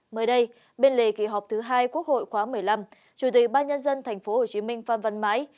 mới đây bên lề kỳ họp thứ hai quốc hội khoáng một mươi năm chủ tịch ban nhân dân tp hcm pham văn mãi